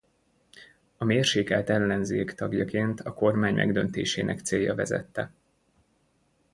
A Mérsékelt Ellenzék tagjaként a kormány megdöntésének célja vezette.